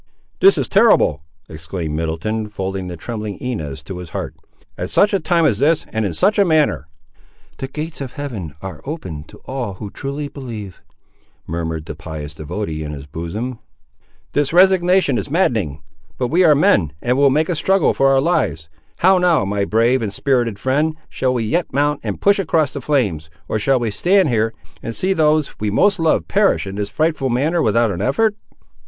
"This is terrible!" exclaimed Middleton, folding the trembling Inez to his heart. "At such a time as this, and in such a manner!" "The gates of Heaven are open to all who truly believe," murmured the pious devotee in his bosom. "This resignation is maddening! But we are men, and will make a struggle for our lives! how now, my brave and spirited friend, shall we yet mount and push across the flames, or shall we stand here, and see those we most love perish in this frightful manner, without an effort?"